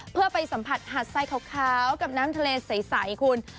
เพื่อไปสัมผัสหาดทรายขาวกับน้ำทะเลใสคุณ